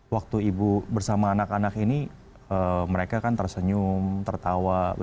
waktu ibu bersama anak anak ini mereka kan tersenyum tertawa